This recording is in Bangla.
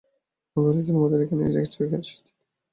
আমি ভেবেছিলাম ওদের এখানেই রেখে এসেছি।